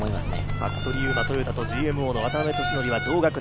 服部勇馬・トヨタとＧＭＯの渡邉利典は同学年。